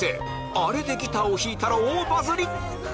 あれでギターを弾いたら大バズり！